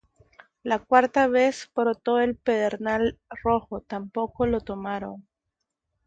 La cuarta vez brotó el pedernal rojo; tampoco lo tomaron.